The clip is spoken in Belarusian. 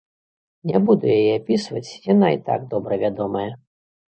Не буду яе апісваць, яна і так добра вядомая.